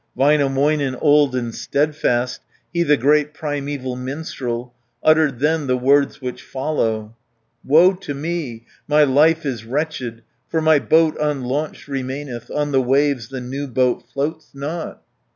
Väinämöinen, old and steadfast, He the great primeval minstrel, 120 Uttered then the words which follow: "Woe to me, my life is wretched, For my boat unlaunched remaineth, On the waves the new boat floats not!"